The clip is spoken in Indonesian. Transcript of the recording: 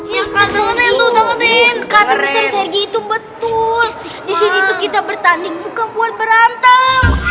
betul betul kita bertanding bukan buat berantem